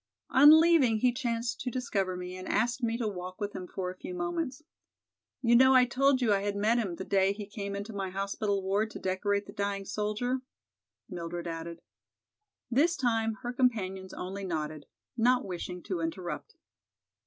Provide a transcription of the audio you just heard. On leaving he chanced to discover me and asked me to walk with him for a few moments. You know I told you I had met him the day he came into my hospital ward to decorate the dying soldier?" Mildred added. This time her companions only nodded, not wishing to interrupt.